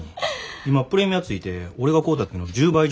今プレミアついて俺が買うた時の１０倍以上の値段すんで。